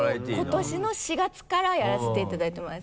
今年の４月からやらせていただいてます。